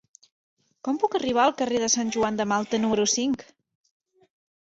Com puc arribar al carrer de Sant Joan de Malta número cinc?